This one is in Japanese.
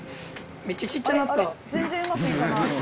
めっちゃちっちゃなった。